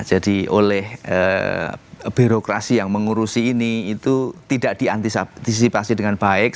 jadi oleh birokrasi yang mengurusi ini itu tidak diantisipasi dengan baik